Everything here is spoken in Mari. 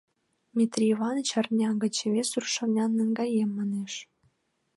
Митрий Иваныч арня гыч... вес рушарнян наҥгаем, манеш...